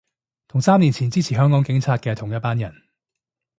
同三年前支持香港警察嘅係同一班人